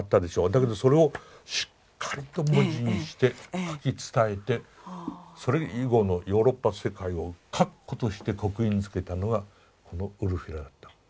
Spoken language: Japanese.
だけどそれをしっかりと文字にして書き伝えてそれ以後のヨーロッパ世界を確固として刻印づけたのはこのウルフィラだったの。